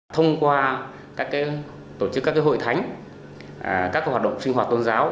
thông qua các tổ chức các hội thánh các hoạt động sinh hoạt tôn giáo